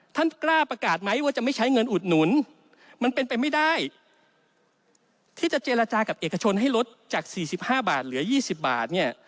ท่านกล้าประกาศไหมว่าจะไม่ใช้เงินอุดหนุนมันเป็นไปไม่ได้ที่จะเจรจากับเอกชนให้ลดจาก๔๕บาทเหลือ๒๐บาทเนี่ย